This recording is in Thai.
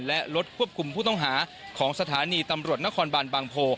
และรถควบคุมผู้ต้องหาของสถานีตำรวจนครบานบางโพ